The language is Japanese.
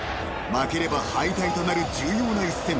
［負ければ敗退となる重要な一戦］